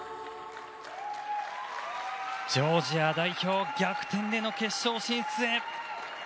ジョージア代表逆転での決勝進出へ。